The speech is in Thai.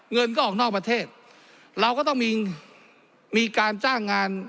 เงินก็ออกนอกประเทศเราก็ต้องมีการจ้างงาน